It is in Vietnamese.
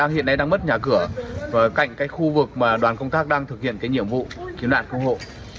hiện nay đang mất nhà cửa và cạnh cái khu vực mà đoàn công tác đang thực hiện cái nhiệm vụ kiếm đàn công hộ